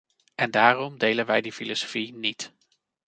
En daarom delen wij die filosofie niet.